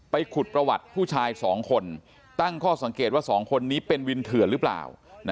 ขุดประวัติผู้ชาย๒คนตั้งข้อสังเกตว่า๒คนนี้เป็นวินเถื่อนหรือเปล่า